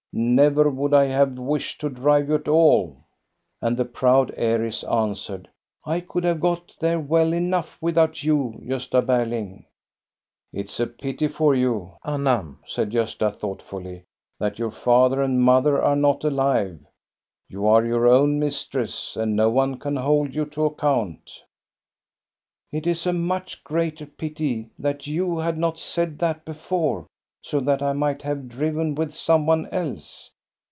Never would I have wished to drive you at all." And the proud heiress answered :—" I could have got there well enough without you, Gosta Berling." " It is a pity for you, Anna," said Gosta, thought fully, " that your father and mother are not alive. You are your own mistress, and no one can hold you to account." " It is a much greater pity that you had not said that before, so that I might have driven with some one else."